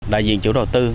đại diện chủ đầu tư